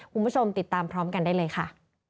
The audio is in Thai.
คุณผู้ชมติดตามพร้อมกันได้เลยค่ะ